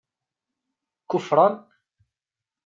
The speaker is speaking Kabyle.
Kuferran?